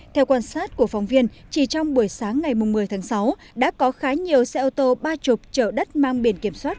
theo quan sát của phóng viên chỉ trong buổi sáng ngày một mươi tháng sáu đã có khá nhiều xe ô tô ba mươi trở đất mang biển kiểm soát